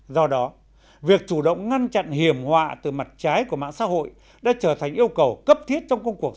do đó việc chủ động ngăn chặn hiểm họa từ mặt trái của mạng xã hội đã trở thành yêu cầu cấp thiết trong công cuộc